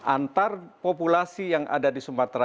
antar populasi yang ada di sumatera